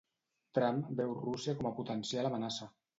Trump veu Rússia com a potencial amenaça